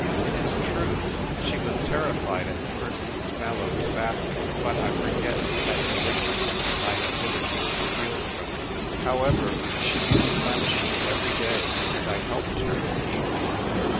It is true, she was terrified at the first smell of tobac But I forget ; that delinquency I have hitherto concealed from you. How ever, she used my machine every day, and I helped her in the evenings.